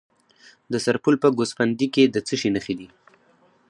د سرپل په ګوسفندي کې د څه شي نښې دي؟